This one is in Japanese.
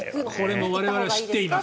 これも我々は知っています。